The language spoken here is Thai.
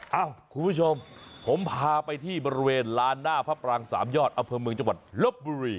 เอ้าคุณผู้ชมผมพาไปที่บริเวณลานหน้าพระปรางสามยอดอำเภอเมืองจังหวัดลบบุรี